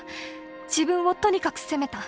自分をとにかく責めた。